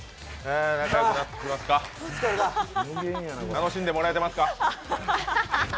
楽しんでもらえてますか？